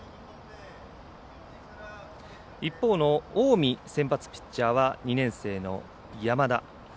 一方の近江、先発ピッチャーは２年生の山田。